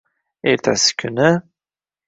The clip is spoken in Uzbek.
Ertasi kuni: